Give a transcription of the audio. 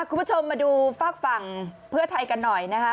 คุณผู้ชมมาดูฝากฝั่งเพื่อไทยกันหน่อยนะคะ